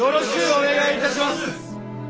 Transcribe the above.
お願いいたします！